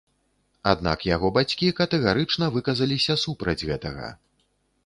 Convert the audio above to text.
Аднак яго бацькі катэгарычна выказаліся супраць гэтага.